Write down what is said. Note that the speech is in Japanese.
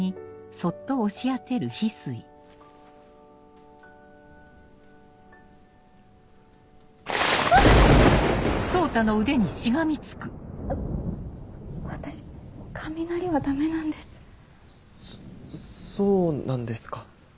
そそうなんですか？